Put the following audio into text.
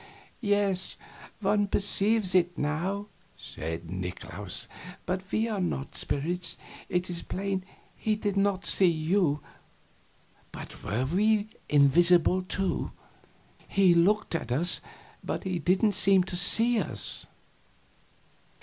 "Yes, one perceives it now," said Nikolaus, "but we are not spirits. It is plain he did not see you, but were we invisible, too? He looked at us, but he didn't seem to see us."